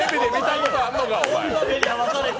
こんな目に遭わされて。